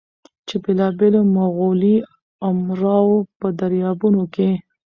چې بېلابېلو مغولي امراوو په دربارونو کې